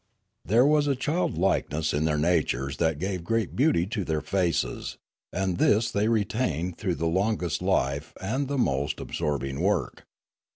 There was a childlikeness in their natures that gave great beauty to their faces; and this they retained through the longest life and the most absorbing work.